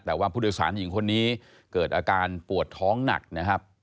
แต่ว่าผู้โดยสารหญิงคนนี้เกิดอาการปวดท้องหนักนะครับ